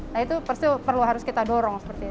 nah itu pasti perlu harus kita dorong seperti itu